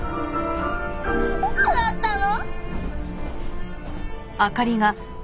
嘘だったの？